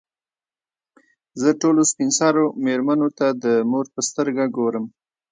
زه ټولو سپین سرو مېرمنو ته د مور په سترګو ګورم.